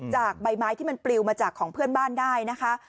ใบไม้ที่มันปลิวมาจากของเพื่อนบ้านได้นะคะ